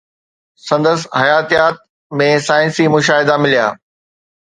سندس حياتيات ۾ سائنسي مشاهدا مليا